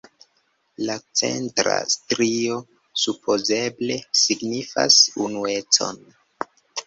La centra strio supozeble signifas unuecon.